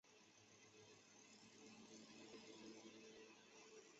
本县县治为纽柯克。